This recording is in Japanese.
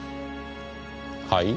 はい？